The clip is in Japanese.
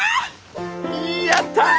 やった！